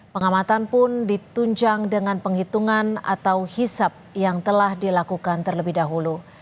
pengamatan pun ditunjang dengan penghitungan atau hisap yang telah dilakukan terlebih dahulu